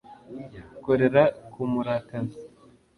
korera kumurakaza